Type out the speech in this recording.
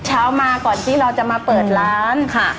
เช้ามาก่อนที่เราจะมาเปิดร้านค่ะ